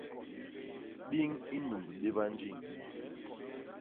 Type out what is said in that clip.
Biñ i nnumb béba njiñ.